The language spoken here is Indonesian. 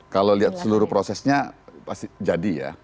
kalau lihat seluruh prosesnya pasti jadi ya